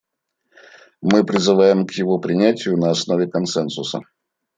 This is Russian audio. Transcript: Мы призываем к его принятию на основе консенсуса.